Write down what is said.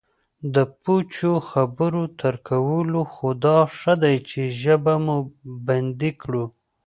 د پوچو خبرو تر کولو خو دا ښه دی چې ژبه مو بندي کړو